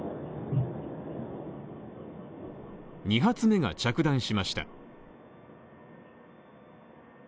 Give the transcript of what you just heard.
２発目が着弾しました。